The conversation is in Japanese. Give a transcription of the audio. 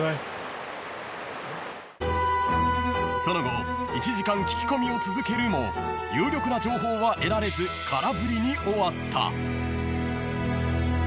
［その後１時間聞き込みを続けるも有力な情報は得られず空振りに終わった］